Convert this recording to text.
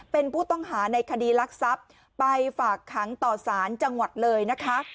เป็นผู้ต้องหาในคดีรักทรัพย์ไปฝากขังต่อสารจังหวัดเลยนะคะ